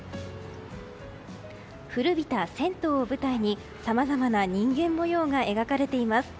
古びた銭湯を舞台にさまざまな人間模様が描かれています。